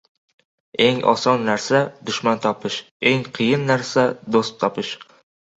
• Eng oson narsa dushman topish, eng qiyin narsa do‘st topish.